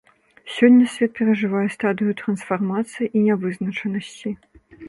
Сёння свет перажывае стадыю трансфармацыі і нявызначанасці.